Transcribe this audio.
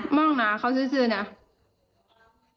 ม่องน้ะเขาซื้อเนี่ย